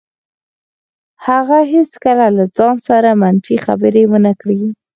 هغه هېڅکله له ځان سره منفي خبرې ونه کړې.